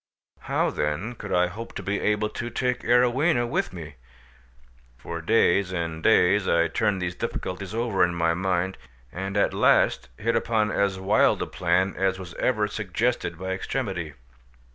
How then could I hope to be able to take Arowhena with me? For days and days I turned these difficulties over in my mind, and at last hit upon as wild a plan as was ever suggested by extremity.